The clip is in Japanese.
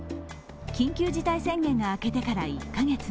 緊急事態宣言が明けてから１か月。